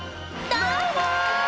どうも！